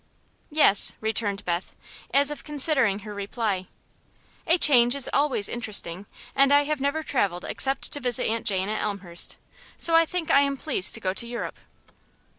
"Yes," returned Beth, as if considering her reply; "a change is always interesting, and I have never travelled except to visit Aunt Jane at Elmhurst. So I think I am pleased to go to Europe."